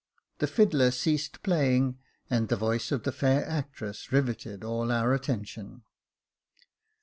The fiddler ceased playing, and the voice of the fair actress riveted all our attention.